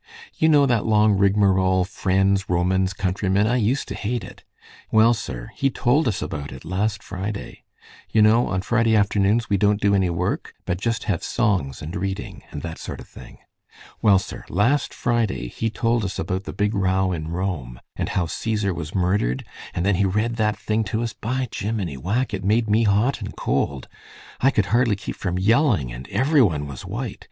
You know that long rigmarole, 'Friends, Romans, countrymen'? I used to hate it. Well, sir, he told us about it last Friday. You know, on Friday afternoons we don't do any work, but just have songs and reading, and that sort of thing. Well, sir, last Friday he told us about the big row in Rome, and how Caesar was murdered, and then he read that thing to us. By gimmini whack! it made me hot and cold. I could hardly keep from yelling, and every one was white.